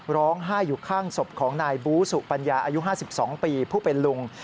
ร้องไห้อยู่ข้างศพของนายบูสุปัญญาอายุ๕๒ปีผู้เป็นลุง